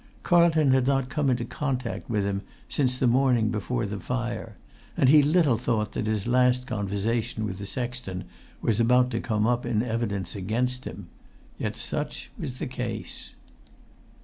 Carlton had not come in contact with him since the morning before the fire, and he little thought that his last conversation with the sexton was about to come up in evidence against him. Yet such was the case.